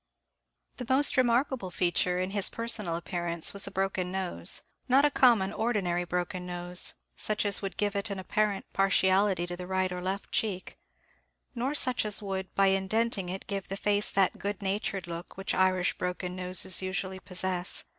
The most remarkable feature in his personal appearance was a broken nose; not a common, ordinary broken nose, such as would give it an apparent partiality to the right or left cheek, nor such as would, by indenting it, give the face that good natured look which Irish broken noses usually possess.